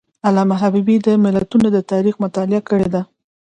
علامه حبیبي د ملتونو د تاریخ مطالعه کړې ده.